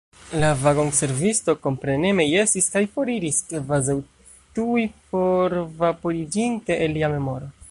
La vagonservisto kompreneme jesis kaj foriris, kvazaŭ tuj forvaporiĝinte el lia memoro.